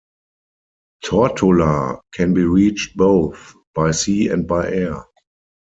Tortola can be reached both by sea and by air.